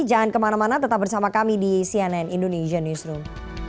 jangan kemana mana tetap bersama kami di cnn indonesia newsroom